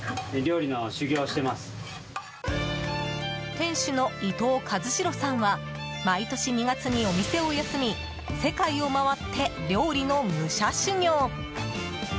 店主の伊藤一城さんは毎年２月にお店を休み世界を回って料理の武者修業。